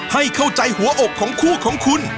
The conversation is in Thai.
ให้เข้าใจหัวอกของคู่ของคุณ